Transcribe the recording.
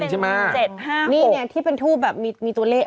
เค้าบอกว่าได้เป็น๗๕๖นี่เนี่ยที่เป็นทูปแบบมีตัวเลข